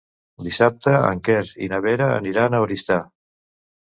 Dissabte en Quer i na Vera aniran a Oristà.